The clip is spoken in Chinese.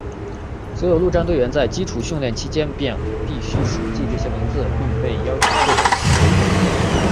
所有陆战队员在基础训练期间便必须熟记这些文字并被要求作为行为准则。